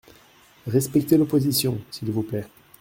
Respectez l’opposition, s’il vous plaît.